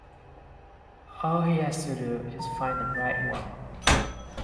All he has to do is find the right woman.